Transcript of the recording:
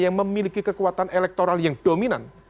yang memiliki kekuatan elektoral yang dominan